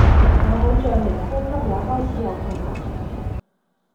我好像連呼吸也開始有困難